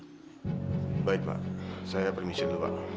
kalau begitu kita minta saja pemenang kedua untuk menyanyikan lagu itu